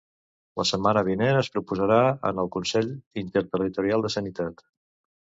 La setmana vinent es proposarà en el consell interterritorial de sanitat.